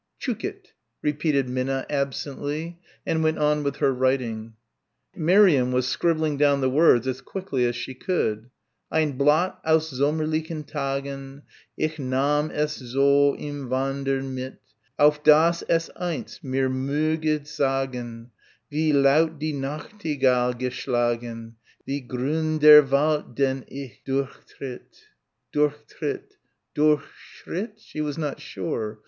"Tchookitt," repeated Minna absently, and went on with her writing. Miriam was scribbling down the words as quickly as she could "Ein Blatt aus sommerlichen Tagen Ich nahm es so im Wandern mit Auf dass es einst mir möge sagen Wie laut die Nachtigall geschlagen Wie grün der Wald den ich durchtritt " durchtritt durchschritt she was not sure.